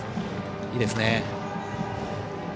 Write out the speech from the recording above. いいですね。